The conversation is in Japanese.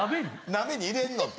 鍋に入れるのって。